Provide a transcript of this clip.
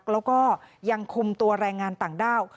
แล้วก็ยังคุมตัวแรงงานต่างด้าว